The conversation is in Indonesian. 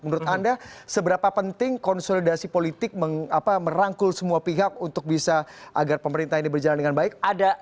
menurut anda seberapa penting konsolidasi politik merangkul semua pihak untuk bisa agar pemerintah ini berjalan dengan baik